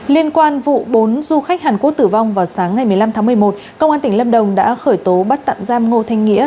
liên quan vụ bốn du khách hàn quốc tử vong vào sáng ngày một mươi năm tháng một mươi một công an tỉnh lâm đồng đã khởi tố bắt tạm giam ngô thanh nghĩa